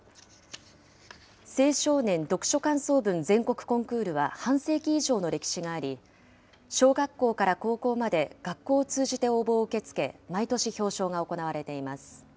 青少年読書感想文全国コンクールは、半世紀以上の歴史があり、小学校から高校まで学校を通じて応募を受け付け、毎年表彰が行われています。